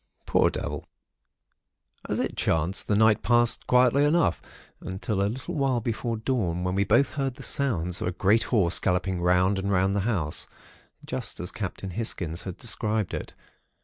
Poor devil! "As it chanced, the night passed quietly enough, until a little while before dawn when we both heard the sounds of a great horse galloping round and round the house, just as old Captain Hisgins had described it.